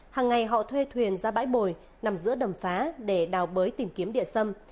hằng ngày họ thuê thuyền ra bãi bồi nằm giữa đầm phá để đào bới tìm kiếm địa sâm